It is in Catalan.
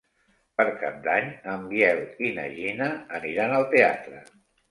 Per Cap d'Any en Biel i na Gina aniran al teatre.